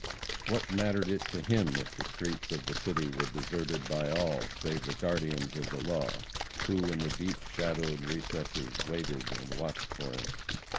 What mattered it to him if the streets of the city were deserted by all, save the guardians of the law, who, in the deep shadowed recesses waited and watched for him?